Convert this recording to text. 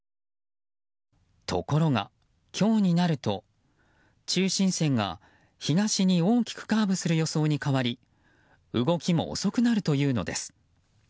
ところが、今日になると中心線が東に大きくカーブする予想に変わり動きも遅くなるというのです。